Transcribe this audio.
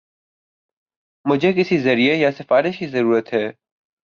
مجھے کس ذریعہ یا سفارش کی ضرورت ہے